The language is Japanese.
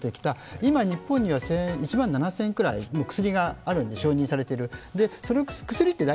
今日本には１万７０００くらい承認されている薬があるんです。